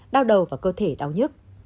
đau đầu và cơ thể đau nhức